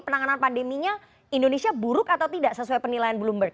penanganan pandeminya indonesia buruk atau tidak sesuai penilaian bloomberg